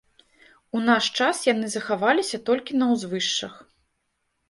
У наш час яны захаваліся толькі на ўзвышшах.